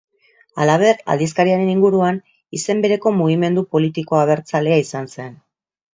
Halaber, aldizkariaren inguruan izen bereko mugimendu politiko abertzalea izan zen.